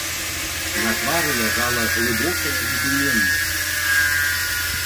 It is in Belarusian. На твары ляжала глыбокая задуменнасць.